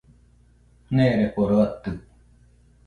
Neereforo atɨ